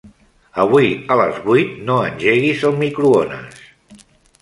Avui a les vuit no engeguis el microones.